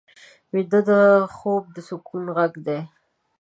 ویده خوب د روح غږ دی